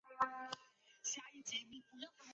职涯教练也常被说是职涯指导。